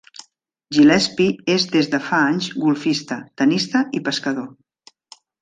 Gillespie és des de fa anys golfista, tenista i pescador.